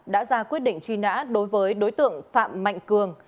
đã ra quyết định truy nã đối với đối tượng phạm mạnh cường